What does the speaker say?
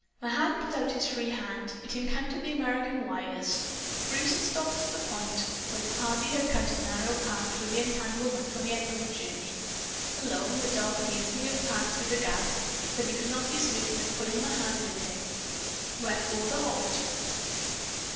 Mahan put out his free hand. It encountered the American wires. Bruce had stopped at the spot where the party had cut a narrow path through the entanglement on the outward journey. Alone, the dog could easily have passed through the gap, but he could not be certain of pulling Mahan with him. Wherefore the halt.